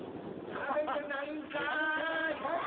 食べてないんかい！